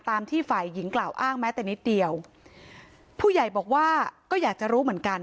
ที่ฝ่ายหญิงกล่าวอ้างแม้แต่นิดเดียวผู้ใหญ่บอกว่าก็อยากจะรู้เหมือนกัน